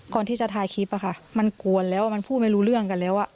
ก่อนที่จะถ่ายคลิปมันกวนแล้วมันพูดไม่รู้เรื่องกันแล้ว